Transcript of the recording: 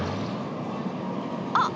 あっ！